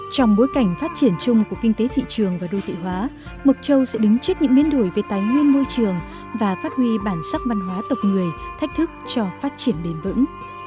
trong bối cảnh phát triển chung của kinh tế thị trường và đô thị hóa mộc châu sẽ đứng trước những biến đổi về tài nguyên môi trường và phát huy bản sắc văn hóa tộc người thách thức cho phát triển bền vững